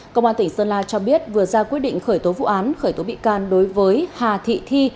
công an tỉnh sơn la cho biết vừa ra quyết định khởi tố vụ án khởi tố bị can đối với hà thị thi